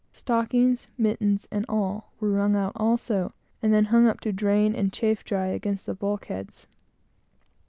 Stockings, mittens, and all, were wrung out also and then hung up to drain and chafe dry against the bulk heads.